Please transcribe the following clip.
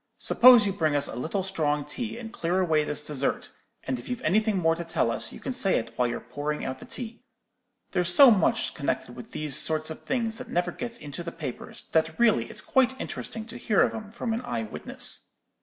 'Suppose you bring us a little strong tea, and clear away this dessert; and if you've anything more to tell us, you can say it while you're pouring out the tea. There's so much connected with these sort of things that never gets into the papers, that really it's quite interesting to hear of 'em from an eye witness.'